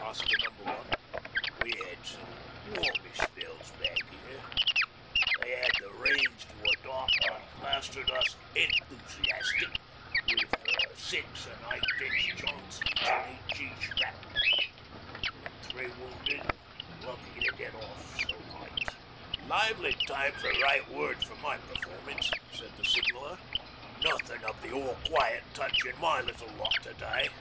asked the Number One. 'We had some warmish spells back here. They had the range to a dot, and plastered us enthusiastic with six an' eight inch Johnsons an' H.E. shrapnel. We'd three wounded an' lucky to get off so light.' 'Lively time's the right word for my performance,' said the Signaller. 'Nothin' of the "all quiet" touch in my little lot to day.